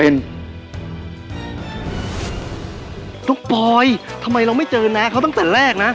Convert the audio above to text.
น้องปอยทำไมเราไม่เจอน้าเขาตั้งแต่แรกนะ